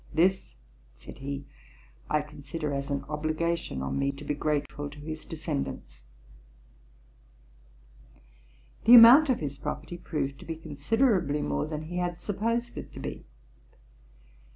'This, (said he,) I consider as an obligation on me to be grateful to his descendants [F 11].' The amount of his property proved to be considerably more than he had supposed it to be.